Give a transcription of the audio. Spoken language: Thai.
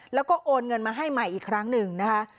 แล้วก็โอนเงินมาให้ใหม่อีกครั้งหนึ่งนะคะ